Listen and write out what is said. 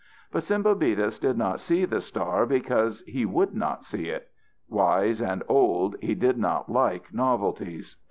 But Sembobitis did not see the star because he would not see it. Wise and old, he did not like novelties.